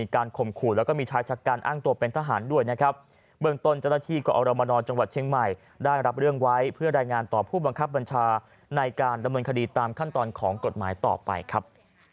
ครับบัญชาในการดำเนินคดีตามขั้นตอนของกฎหมายต่อไปครับ